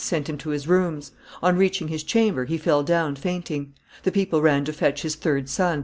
sent him to his rooms; on reaching his chamber he fell down fainting; the people ran to fetch his third son, M.